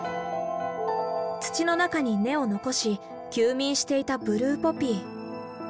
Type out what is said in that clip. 土の中に根を残し休眠していたブルーポピー。